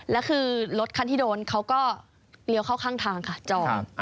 แล้วคือรถคันที่โดนเขาก็เลี้ยวเข้าข้างทางค่ะจอด